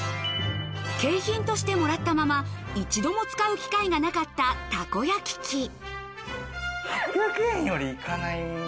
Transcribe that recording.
景品としてもらったまま一度も使う機会がなかったたこ焼き器８００円より行かない。